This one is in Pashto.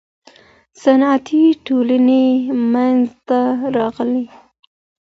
صنعتي ټولني منځ ته راغلې.